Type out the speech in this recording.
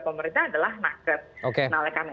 pemerintah adalah naket oke nah karena